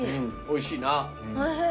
おいしい。